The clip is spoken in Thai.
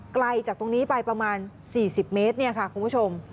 ไกลจากตรงนี้ไปประมาณ๔๐เมตรคุณผู้ชม